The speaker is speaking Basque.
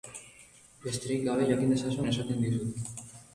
Besterik gabe, jakin dezazun esaten dizut.